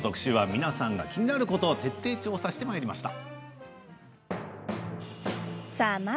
皆さんが気になることを徹底調査していきました。